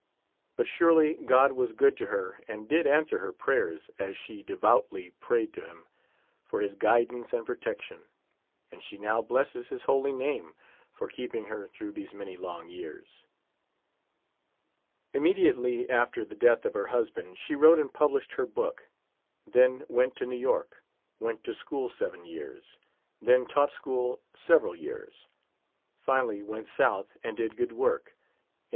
But surely God was good to her and did answer her prayers, as she de voutly prayed to Him for His guidance and protection, and she now blesses His Holy Name for keeping her through these many long years. Immediately after the death of her husband, she wrote and published her book ; then went to New York ; went to school seven years ; then taught school several years ; finally went South and did good work in.